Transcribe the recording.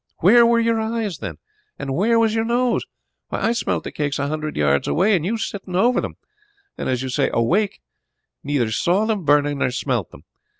Where were your eyes, then? And where was your nose? Why, I smelt the cakes a hundred yards away, and you sitting over them, and as you say awake, neither saw them burning nor smelt them!